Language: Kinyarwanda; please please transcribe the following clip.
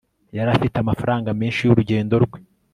yari afite amafaranga menshi y'urugendo rwe